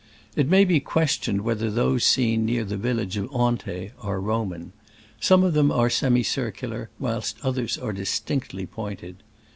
It may be questioned wheth er those seen near the village of Antey are Roman.. Some of them are semi circular, whilst others are distinctly .%'. pointed.